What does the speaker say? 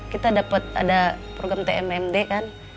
kita dapat ada program tmmd kan